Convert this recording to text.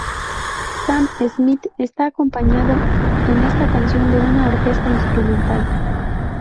Sam Smith está acompañado en esta canción de una orquesta instrumental.